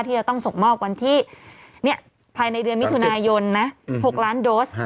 ที่จะต้องส่งมอบวันที่ภายในเดือนมิถุนายนนะ๖ล้านโดส